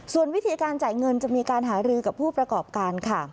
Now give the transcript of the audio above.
ส่วนวิธีการจ่ายเงินจะมีการหารือกับผู้ประกอบการค่ะ